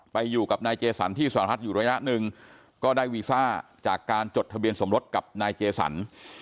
ไปอยู่กับนายเจสันที่สหรัฐอยู่ระยะหนึ่งก็ได้วีซ่าจากการจดทะเบียนสมรสกับนายเจสัน